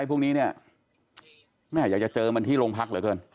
พวกนี้เนี่ยแม่อยากจะเจอมันที่โรงพักเหลือเกิน